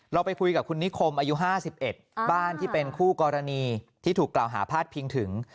เราไปคุยกับคุณนิคมอายุ๕๑บ้านที่เป็นคู่กรณีที่ถูกกล่าวหาพาดพิงถึง